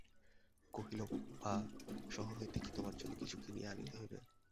কহিল, মা, শহর হইতে কি তোমার জন্য কিছু কিনিয়া আনিতে হইবে?